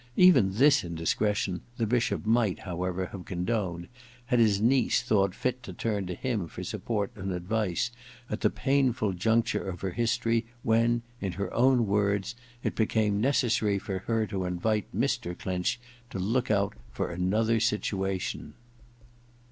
Even this indiscretion the Bishop might, however, have condoned, had his niece thought fit to turn to him for support and advice at the painful juncture of her history I EXPIATION 87 when, in her own words, it became necessary for her to invite Mr. Clinch to look out for another situation.